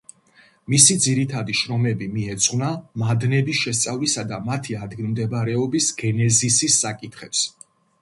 მისი ძირითადი შრომები მიეძღვნა მადნების შესწავლისა და მათი ადგილმდებარეობის გენეზისის საკითხებს.